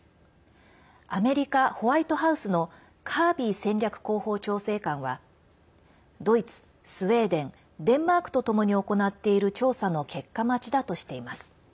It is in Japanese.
アメリカ・ホワイトハウスのカービー戦略広報調整官はドイツ、スウェーデンデンマークとともに行っている調査の結果待ちだとしています。